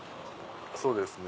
そうですね。